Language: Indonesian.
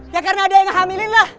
ya karena ada yang hamilin lah